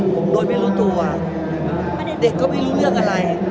ผมโดยไม่รู้ตัวเด็กก็ไม่รู้เรื่องอะไร